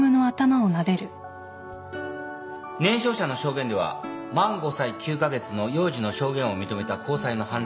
年少者の証言では満５歳９カ月の幼児の証言を認めた高裁の判例があります。